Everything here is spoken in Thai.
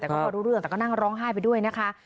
แต่ก็พอรู้เรื่องแต่ก็นั่งร้องไห้ไปด้วยนะคะ